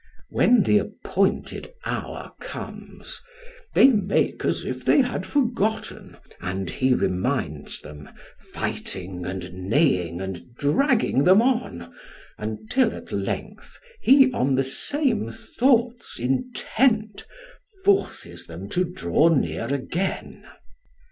When the appointed hour comes, they make as if they had forgotten, and he reminds them, fighting and neighing and dragging them on, until at length he on the same thoughts intent, forces them to draw near again.